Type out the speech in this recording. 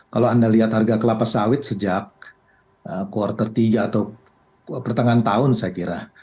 kalau anda lihat harga kelapa sawit sejak kuartal tiga atau pertengahan tahun saya kira